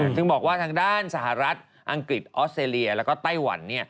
ถึงบอกว่าทางด้านสหรัฐอังกฤษออสเตรเลียแล้วก็ไต้หวัน